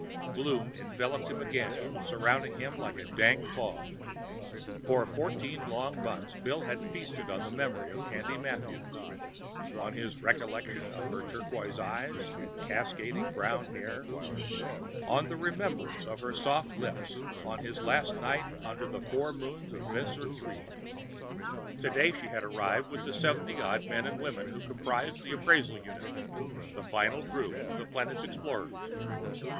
Gloom enveloped him again, surrounding him like a dank fog. For fourteen long months, Bill had feasted on the memory of Candy Mathews, on his recollection of her turquoise eyes and cascading brown hair, on the remembrance of her soft lips on his last night under the four moons of Vensor III. Today she had arrived with the seventy odd men and women who comprised the appraisal unit, the final group of the planet's explorers.